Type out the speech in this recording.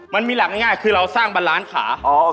มันมีหลักง่ายคือเราสร้างบันล้านขา